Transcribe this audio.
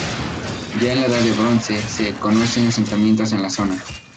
Ya en la Edad de Bronce se conocen asentamientos en la zona.